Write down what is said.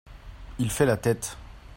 Il fait la tête.